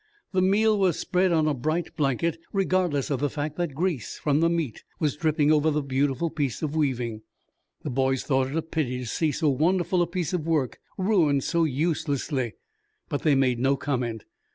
The meal was spread on a bright blanket regardless of the fact that grease from the meat was dripping over the beautiful piece of weaving. The boys thought it a pity to see so wonderful a piece of work ruined so uselessly, but they made no comment.